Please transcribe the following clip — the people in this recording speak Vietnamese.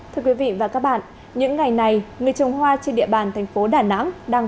thưa quý vị và các bạn những ngày này người trồng hoa trên địa bàn thành phố đà nẵng đang